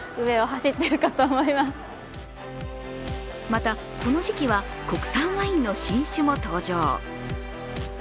また、この時期は国産ワインの新酒も登場。